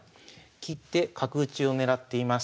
切って角打ちを狙っています。